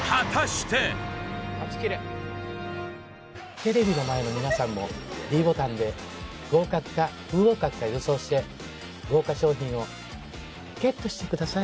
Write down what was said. テレビの前の皆さんもｄボタンで合格か不合格か予想して豪華商品をＧＥＴしてください